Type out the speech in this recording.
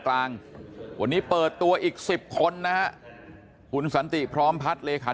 กลางวันนี้เปิดตัวอีก๑๐คนนะฮะคุณสันติพร้อมพัฒน์เลขา